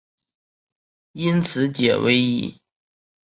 因此解唯一。